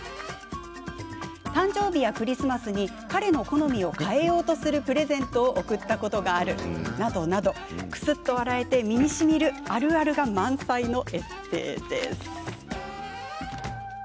「誕生日やクリスマスに、彼の好みを変えようとするプレゼントを贈ったことがある。」など、くすっと笑えて身にしみるあるある満載のエッセーです。